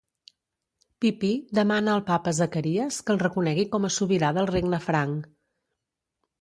Pipí demana al Papa Zacaries que el reconegui com a sobirà del regne franc.